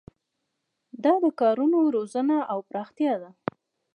دا د کادرونو روزنه او پراختیا ده.